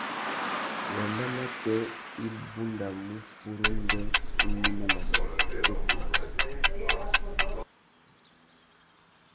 Wandamatê i bundamú purú mbê tu néménamú têtuzú.